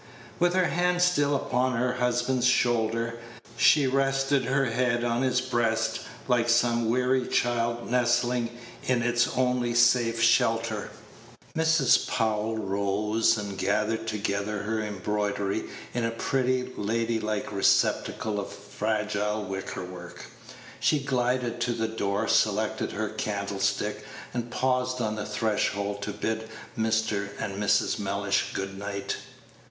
With her hand still upon her husband's shoulder, she rested her head on his breast like some weary child nestling in its only safe shelter. Mrs. Powell rose, and gathered together her embroidery in a pretty, lady like receptacle of fragile wicker work. She glided to the door, selected her candlestick, and paused on the threshold to bid Mr. and Mrs. Mellish good night.